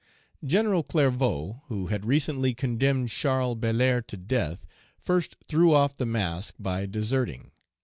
General Clervaux, who had recently condemned Charles Belair to death, first threw off the mask by deserting.